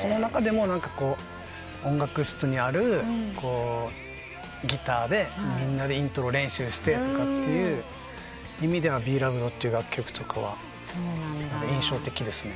その中でも音楽室にあるギターでみんなでイントロ練習してという意味では『ＢＥＬＯＶＥＤ』っていう楽曲とかは印象的ですね。